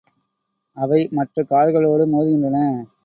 அவை மற்ற கார்களோடு மோதுகின்றன.